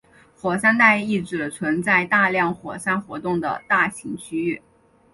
火山带意指存在大量火山活动的大型区域。